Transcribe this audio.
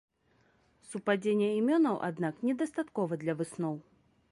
Супадзення імёнаў аднак недастаткова для высноў.